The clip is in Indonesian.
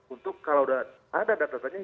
untuk kalau ada datanya